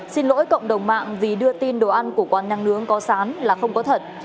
xin lỗi cộng đồng mạng vì đưa tin đồ ăn của quán năng nướng có sán là không có thật